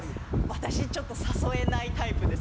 私ちょっと誘えないタイプです